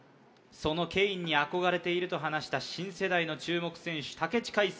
そのケインに憧れていると話した新世代の注目選手武知海